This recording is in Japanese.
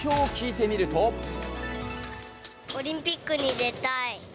オリンピックに出たい。